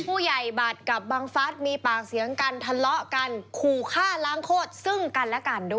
ผู้ใหญ่บัตรกับบังฟัสมีปากเสียงกันทะเลาะกันขู่ฆ่าล้างโคตรซึ่งกันและกันด้วย